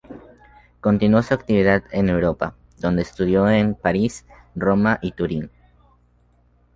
Continuó su actividad en Europa, donde estudió en París, Roma y Turín.